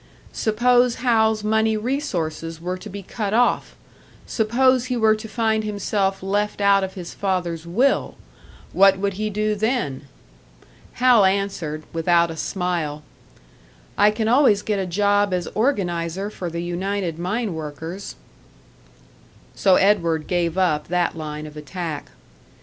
Suppose Hal's money resources were to be cut off, suppose he were to find himself left out of his father's will what would he do then? Hal answered, without a smile, "I can always get a job as organiser for the United Mine Workers." So Edward gave up that line of attack.